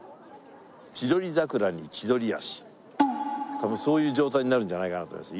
多分そういう状態になるんじゃないかなと思います